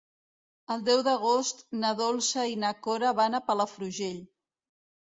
El deu d'agost na Dolça i na Cora van a Palafrugell.